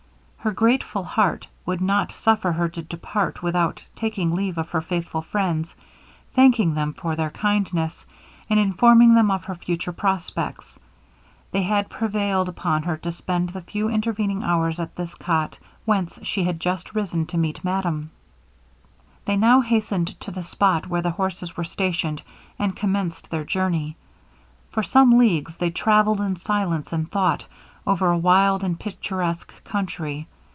Her grateful heart would not suffer her to depart without taking leave of her faithful friends, thanking them for their kindness, and informing them of her future prospects. They had prevailed upon her to spend the few intervening hours at this cot, whence she had just risen to meet madame. They now hastened to the spot where the horses were stationed, and commenced their journey. For some leagues they travelled in silence and thought, over a wild and picturesque country.